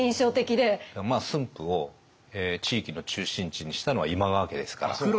駿府を地域の中心地にしたのは今川家ですから。